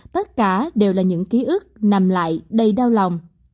tất cả đều là những ký ức nằm lại đầy đau lòng